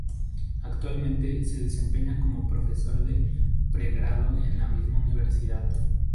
Actualmente se desempeña como profesor de pregrado en la misma universidad.